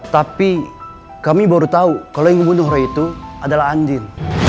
tapi kami baru tahu kalau yang membunuh roy itu adalah anjing